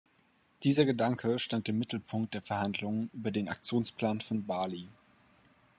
Dieser Gedanke stand im Mittelpunkt der Verhandlungen über den Aktionsplan von Bali.